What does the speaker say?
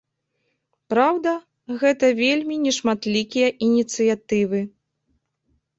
Праўда, гэта вельмі нешматлікія ініцыятывы.